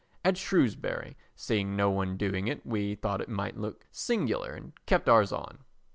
At Shrewsbury seeing no one doing it we thought it might look singular and kept ours on.